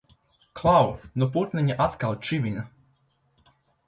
Klau! Nu putniņi atkal čivina!